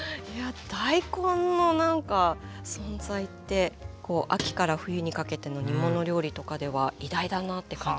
大根のなんか存在って秋から冬にかけての煮物料理とかでは偉大だなって感じます。